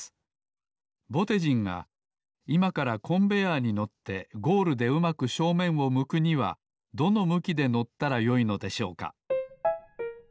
ぼてじんがいまからコンベアーに乗ってゴールでうまく正面を向くにはどの向きで乗ったらよいのでしょうか？